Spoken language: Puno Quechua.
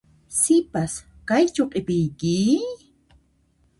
Sipas, kaychu q'ipiyki?